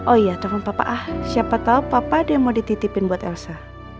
oh iya telepon papa ah siapa tau papa dia mau dititipin buat elsa